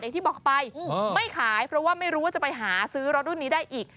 อย่างที่บอกไปไม่ขายเพราะว่าไม่รู้ว่าจะไปหาซื้อรถรุ่นนี้ได้อีก